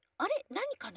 なにかな？